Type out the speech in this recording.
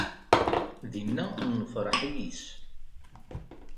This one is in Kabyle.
Dinna, nefreḥ yis.